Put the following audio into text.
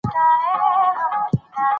په خبرو کې له احتیاط څخه کار واخلئ.